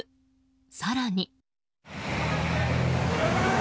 更に。